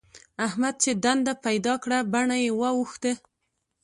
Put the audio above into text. احمد چې دنده پيدا کړه؛ بڼه يې واوښته.